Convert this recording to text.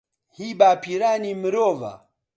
هی باپیرانی مرۆڤە